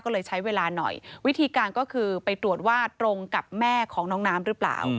ก็เลยใช้เวลาหน่อยวิธีการก็คือไปตรวจว่าตรงกับแม่ของน้องน้ำหรือเปล่า